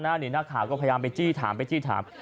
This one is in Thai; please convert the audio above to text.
หน้านิดหน้าขาวก็พยายามไปจี้ถาม